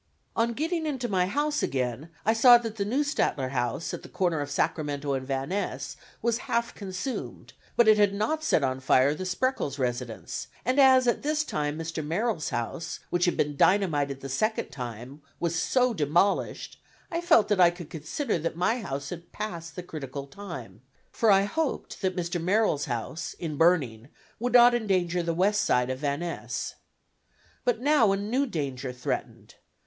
On getting into my house again, I saw that the Neustadter house, at the corner of Sacramento and Van Ness, was half consumed, but it had not set on fire the Spreckels residence, and as at this time Mr. Merrill's house, which had been dynamited the second time, was so demolished, I felt that I could consider that my house had passed the critical time, for I hoped that Mr. Merrill's house in burning would not endanger the west side of Van Ness. But now a new danger threatened.